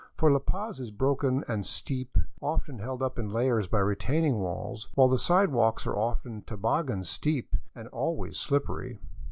For La Paz is broken and steep, often held up in layers by retaining walls, while the side walks are often toboggan steep and always slippery.